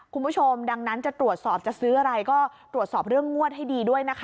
คุณผู้ชมดังนั้นจะตรวจสอบจะซื้ออะไรก็ตรวจสอบเรื่องงวดให้ดีด้วยนะคะ